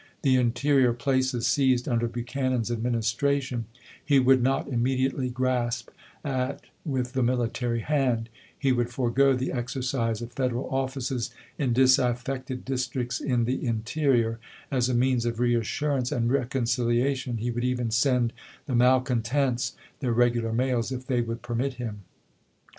The interior places seized under Buchanan's Administration he would not immediately grasp at with the military hand ; he would forego the exercise of Federal offices in disaffected districts in the interior ; as a means of reassurance and reconciliation he would even send the malcontents their regular mails, if they would permit him.